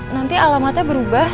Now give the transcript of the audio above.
nanti alamatnya berubah